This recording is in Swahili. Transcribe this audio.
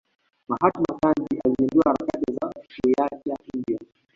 Mahatma Gandhi alizindua harakati za kuiacha india